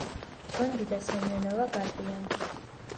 ბონდი და სემიონოვა გარბიან.